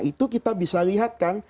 itu kita bisa lihat kan